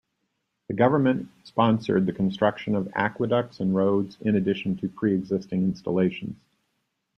The government sponsored the construction of aqueducts and roads in addition to preexisting installations.